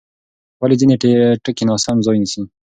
ولې ځینې ټکي ناسم ځای نیسي؟